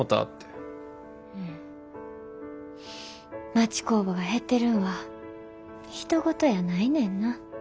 町工場が減ってるんはひと事やないねんな。